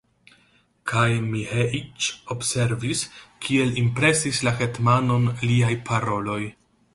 Kaj Miĥeiĉ observis, kiel impresis la hetmanon liaj paroloj.